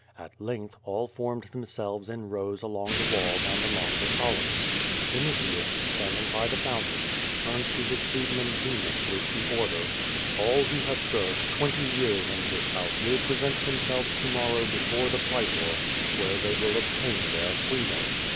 At length all formed themselves in rows along the walls and among the columns. Vinitius, standing by the fountain, turned to his freedman Demas with the order: I "All who have served twenty years in this house will present i themselves to morrow before the praetor, where they will •obtain their freedom.